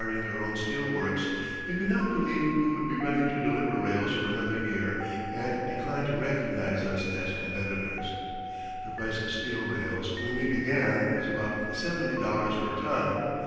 Knowing the difficulties they had in starting their own steel works, they could not believe we would be ready to deliver rails for another year and declined to recognize us as competitors. The price of steel rails when we began was about seventy dollars per ton.